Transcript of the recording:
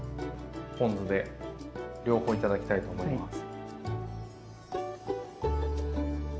ポン酢で両方頂きたいと思います。